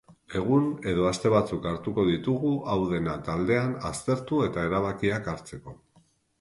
Egun edo aste batzuk hartuko ditugu hau dena taldean aztertu eta erabakiak hartzeko.